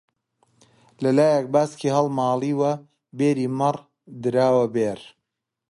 لەلایەک باسکی هەڵماڵیوە بێری مەڕ دراوە بێر